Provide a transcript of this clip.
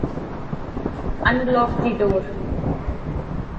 The party also included several organised factions.